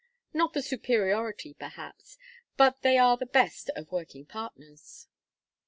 Not the superiority, perhaps, but they are the best of working partners."